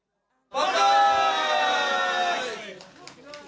万歳。